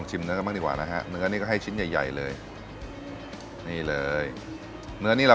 จะได้นุ่มหน่อยนะให้กี่ชิ้นเนี่ยตามนึง